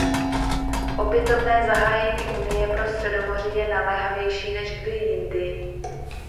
Opětovné zahájení Unie pro Středomoří je naléhavější než kdy jindy.